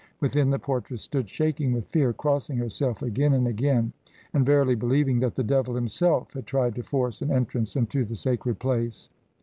Within, the portress stood shaking with fear, crossing herself again and again, and verily believing that the devil himself had tried to force an entrance into the sacred place.